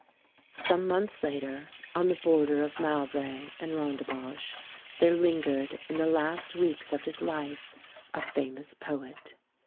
Some months later, on the border of Mowbray and Rondebosch, there lingered, in the last weeks of his life, a famous poet.